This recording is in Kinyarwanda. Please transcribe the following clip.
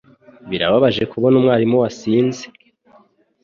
Birababaje kubona umwarimu wasinze